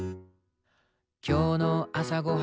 「きょうの朝ごはん」